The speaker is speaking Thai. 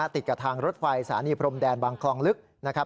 ติดกับทางรถไฟสถานีพรมแดนบางคลองลึกนะครับ